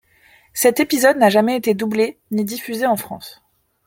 Cet épisode n'a jamais été doublé ni diffusé en France.